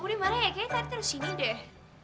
buah udah marah ya kayaknya tadi terus ini deh